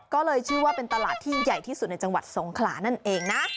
ก็เลยชื่อว่าเป็นตลาดที่ใหญ่ที่สุดในจังหวัดสงขลานั่นเองนะ